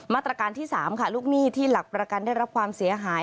มาตรการที่๓ค่ะลูกหนี้ที่หลักประกันได้รับความเสียหาย